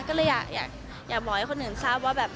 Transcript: ก็เลยอยากอยากอยากบอกให้คนอื่นทราบว่าแบบ